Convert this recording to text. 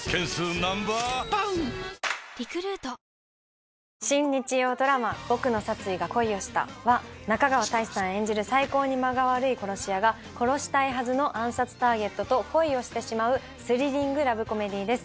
しかも私、新日曜ドラマ、ボクの殺意が恋をしたは、中川大志さん演じる最高に間が悪い殺し屋が、殺したいはずの暗殺ターゲットと、恋をしてしまうスリリングラブコメディです。